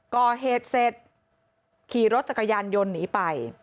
ก่อเหตุเสร็จขี่รถจักรยานยนต์หนีไป